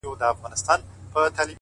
چي ستا ديدن وي پكي كور به جوړ سـي،